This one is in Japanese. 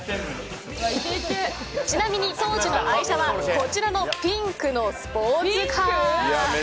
ちなみに当時の愛車はこちらのピンクのスポーツカー。